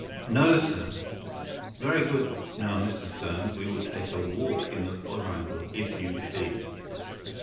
"No, sir." "Very good. Now, Mr. Soames, we will take a walk in the quadrangle, if you please."